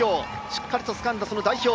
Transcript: しっかりとつかんだ、その代表